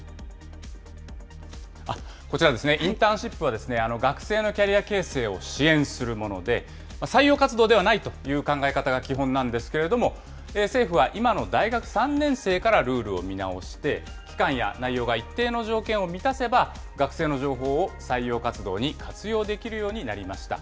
こちらですね、インターンシップは学生のキャリア形成を支援するもので、採用活動ではないという考え方が基本なんですけれども、政府は今の大学３年生からルールを見直して、期間や内容が一定の条件を満たせば、学生の情報を採用活動に活用できるようになりました。